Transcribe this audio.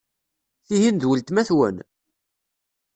Tihin d weltma-twen?